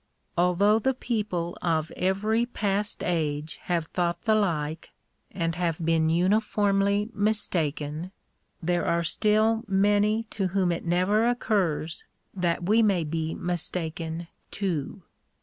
Although the people of every past age* have thought the like* and have been uniformly mistaken, there are still many to whom it never occurs that we may be mistaken too.